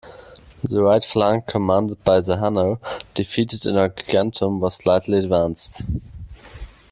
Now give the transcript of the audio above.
The right flank commanded by the Hanno defeated in Agrigentum was slightly advanced.